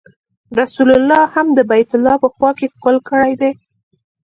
رسول الله هم د بیت الله په خوا کې ښکل کړی دی.